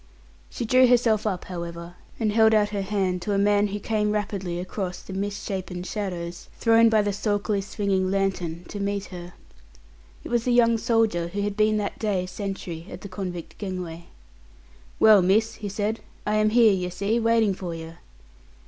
She drew herself up, however, and held out her hand to a man who came rapidly across the misshapen shadows, thrown by the sulkily swinging lantern, to meet her. It was the young soldier who had been that day sentry at the convict gangway. "Well, miss," he said, "I am here, yer see, waiting for yer."